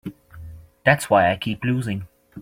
That's why I keep losing.